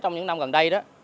trong những năm gần đây